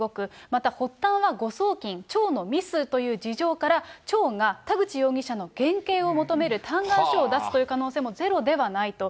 また発端は誤送金、町のミスという事情から、町が田口容疑者の減刑を求める嘆願書を出すという可能性もゼロではないと。